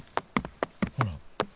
ほら。